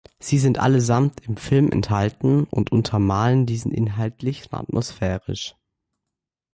Sie sind allesamt im Film enthalten und untermalen diesen inhaltlich und atmosphärisch.